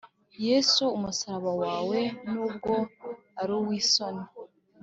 yesu umusaraba wawe ,nubwo ari uwisoni